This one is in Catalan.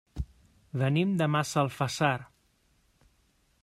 Venim de Massalfassar.